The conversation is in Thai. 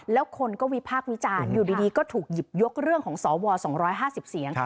แล้วคนก็วิพากษ์วิจารณ์อยู่ดีก็ถูกหยิบยกเรื่องของสว๒๕๐เสียง